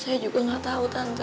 saya juga nggak tahu tante